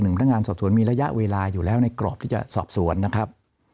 พนักงานสอบสวนมีระยะเวลาอยู่แล้วในกรอบที่จะสอบสวนนะครับ